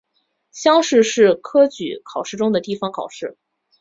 乡试是科举考试中的地方考试。